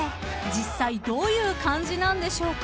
実際どういう感じなんでしょうか］